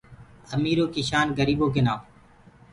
اميرو ڪي شان گريبو ڪي نآئو